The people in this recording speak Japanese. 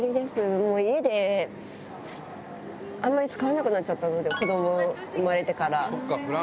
もう家で、あまり使わなくなっちゃったので、子ども産まれてから。